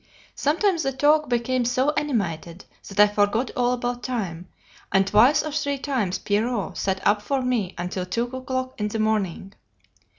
Sometimes the talk became so animated that I forgot all about time, and twice or three times Pierrot sat up for me until two o'clock in the morning.